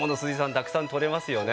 たくさんとれますよね。